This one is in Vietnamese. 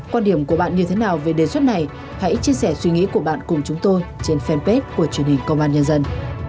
quan điểm của bạn như thế nào về đề xuất này hãy chia sẻ suy nghĩ của bạn cùng chúng tôi trên fanpage của truyền hình công an nhân dân